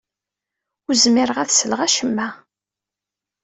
Ur zmireɣ ad sleɣ acemma.